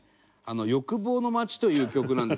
『欲望の街』という曲なんです。